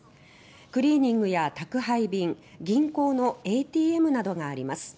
クリーニングや宅配便銀行のＡＴＭなどがあります。